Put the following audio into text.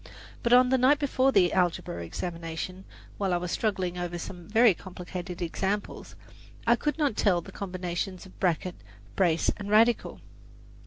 But on the night before the algebra examination, while I was struggling over some very complicated examples, I could not tell the combinations of bracket, brace and radical.